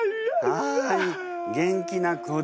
はい元気な子だ。